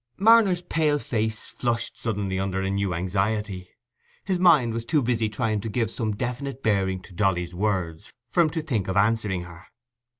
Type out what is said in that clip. Marner's pale face flushed suddenly under a new anxiety. His mind was too busy trying to give some definite bearing to Dolly's words for him to think of answering her.